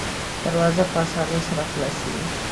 دروازه په اسانۍ سره خلاصیږي.